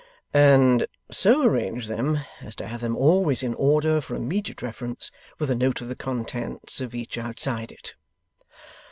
' And so arrange them as to have them always in order for immediate reference, with a note of the contents of each outside it.